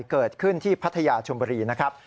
เกิดขึ้นที่พัทยาชมบุรีนะครับ